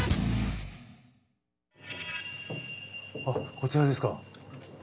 こちらですか。